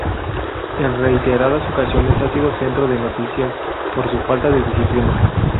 En reiteradas ocasiones ha sido centro de noticias por su falta de disciplina.